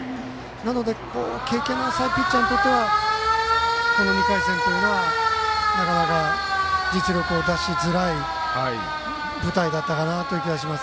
なので、経験の浅いピッチャーにとってはこの２回戦はなかなか、実力を出しづらい舞台だったかなという気はします。